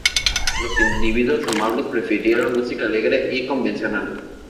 Los individuos amables prefirieron música alegre y convencional.